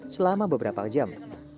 selama beberapa jam